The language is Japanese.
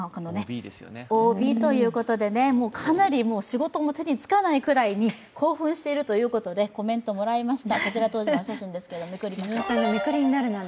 ＯＢということでかなり仕事も手につかないくらいに興奮していると言うことで、コメントもらいました。